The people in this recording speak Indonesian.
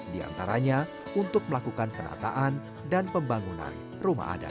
di antaranya untuk melakukan penataan dan pembangunan rumah adat